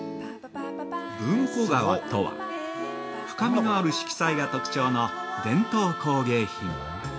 ◆文庫革とは、深みのある色彩が特徴の伝統工芸品。